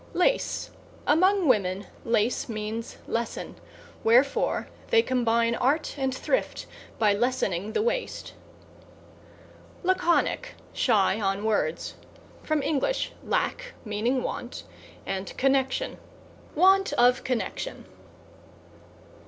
=LACE= Among women, lace means lesson; wherefore they combine art and thrift by lessening the waist. =LACONIC= Shy on words. From Eng. lack, meaning want, and connection; want of connection.